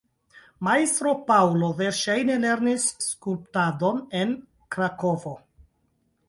Majstro Paŭlo verŝajne lernis skulptadon en Krakovo.